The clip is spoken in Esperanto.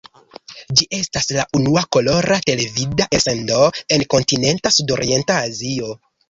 Ĝi estas la unua kolora televida elsendo en Kontinenta Sudorienta Azio.